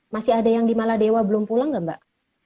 masih ada yang di maladewa belum pulang gak mbak